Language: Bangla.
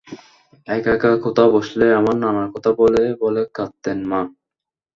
একা একা কোথাও বসলে আমার নানার কথা বলে বলে কাঁদতেন মা।